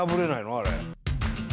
あれ。